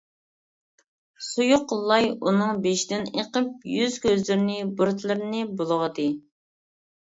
سۇيۇق لاي ئۇنىڭ بېشىدىن ئېقىپ، يۈز-كۆزلىرىنى، بۇرۇتلىرىنى بۇلغىدى.